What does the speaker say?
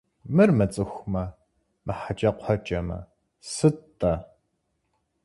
Мыр мыцӀыхумэ, мыхьэкӀэкхъуэкӀэмэ, сыт–тӀэ?